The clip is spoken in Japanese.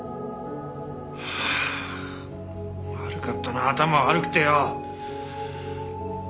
はあ悪かったな頭悪くてよ。